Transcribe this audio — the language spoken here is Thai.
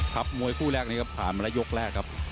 ครับมวยคู่แรกนี้ครับผ่านมาในยกแรกครับ